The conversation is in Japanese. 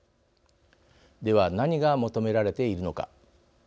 では、何が求められているのか。